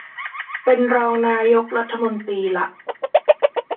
เป็นรองนายกรัฐมนตรีและ